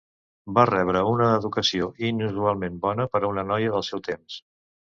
Va rebre una educació inusualment bona per a una noia del seu temps.